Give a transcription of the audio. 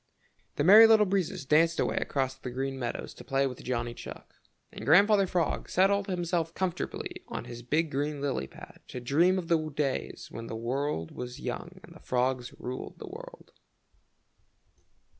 The Merry Little Breezes danced away across the Green Meadows to play with Johnny Chuck, and Grandfather Frog settled himself comfortably on his big green lily pad to dream of the days when the world was young and the frogs ruled the world.